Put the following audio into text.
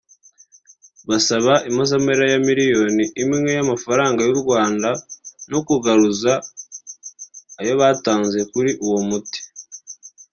basaba impozamarira ya miliyari imwe y’amafaranga y’u Rwanda no kugaruzwa ayo batanze kuri uwo muti